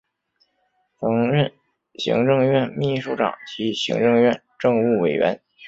曾任行政院秘书长及行政院政务委员。